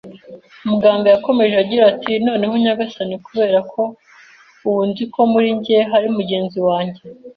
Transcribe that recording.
Muganga yakomeje agira ati: “Noneho nyagasani, kubera ko ubu nzi ko muri njye hari mugenzi wanjye